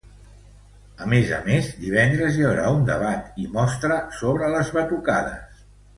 A més a més, divendres hi haurà un debat i mostra sobre les batucades.